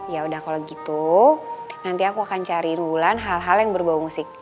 yaudah kalo gitu nanti aku akan cariin wulan hal hal yang berbau musik